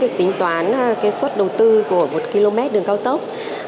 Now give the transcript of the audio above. việc tính toán suất đầu tư của một km đường cao tốc